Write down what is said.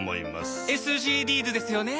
ＳＧＤｓですよね。